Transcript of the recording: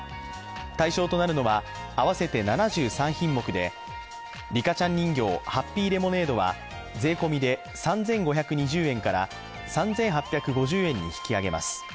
対象となるのは合わせて７３品目でリカちゃん人形ハッピーレモネードは税込みで３５２０円から３８５０円に引き上げます。